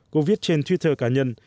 cô viết trên twitter cá nhân